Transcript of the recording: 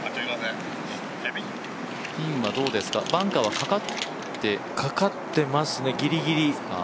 ピンはどうですか、バンカーはかかってかかってますね、ギリギリ。